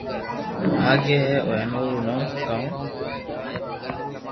لاگي ھي ھين او رو نوم ڪيو